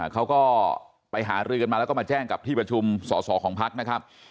เขาก็ไปหารือกันมาแล้วก็มาแจ้งกับที่ประชุมสอสอของพักนะครับ